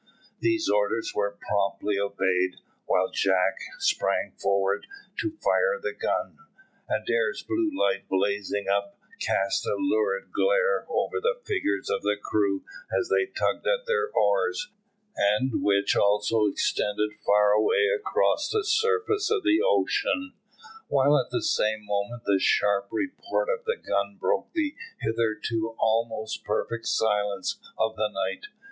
These orders were promptly obeyed. While Jack sprang forward to fire the gun, Adair's blue light, blazing up, cast a lurid glare over the figures of the crew as they tugged at their oars, and which also extended far away across the surface of the ocean, while at the same moment the sharp report of the gun broke the hitherto almost perfect silence of the night.